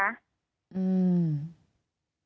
อืม